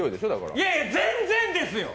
いやいや、全然ですよ。